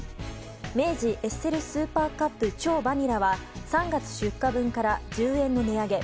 明治エッセルスーパーカップ超バニラは３月出荷分から１０円の値上げ